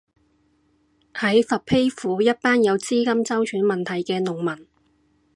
喺佛丕府，一班有資金周轉問題嘅農民